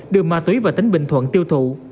đường ma túy và tính bình thuận tiêu thụ